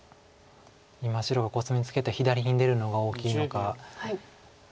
今白がコスミツケた左に出るのが大きいのか。